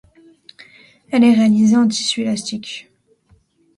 Elle est réalisée en tissu élastique.